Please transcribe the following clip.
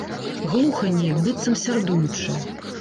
Глуха неяк, быццам сярдуючы.